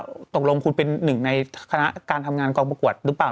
ตกลงคุณเป็นหนึ่งในคณะการทำงานกองประกวดหรือเปล่า